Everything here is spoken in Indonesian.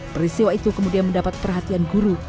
peristiwa itu kemudian mendapat perhatian guru